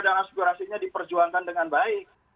dan aspirasinya diperjuangkan dengan baik